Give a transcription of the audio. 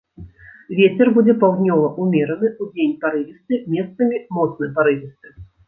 Вецер будзе паўднёвы ўмераны, удзень парывісты, месцамі моцны парывісты.